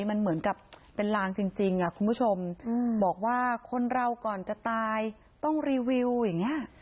มันเหมือนกับเป็นลางจริงคุณผู้ชมบอกว่าคนเราก่อนจะตายต้องรีวิวอย่างเงี้ย